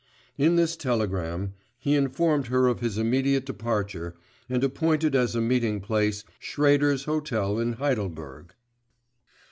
In this telegram he informed her of his immediate departure, and appointed as a meeting place, Schrader's hotel in Heidelberg.